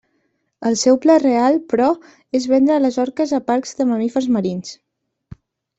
El seu pla real, però, és vendre a les orques a parcs de mamífers marins.